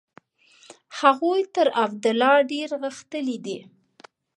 هغوی تر عبدالله ډېر غښتلي دي.